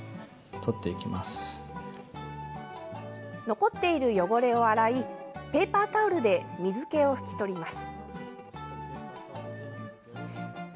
残っている汚れを洗いペーパータオルで水けを拭き取ります。